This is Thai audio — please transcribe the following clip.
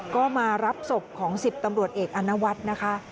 ก็มารับศพของ๑๐ตำรวจเอกอนวัฒน์นะคะ